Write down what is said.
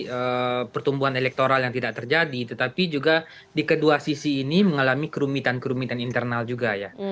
dari pertumbuhan elektoral yang tidak terjadi tetapi juga di kedua sisi ini mengalami kerumitan kerumitan internal juga ya